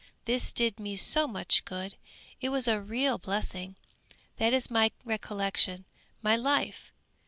This did me so much good, it was a real blessing! That is my recollection, my life!"